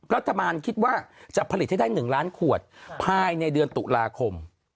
รัฐบาลคิดว่าจะผลิตให้ได้๑ล้านขวดภายในเดือนตุลาคม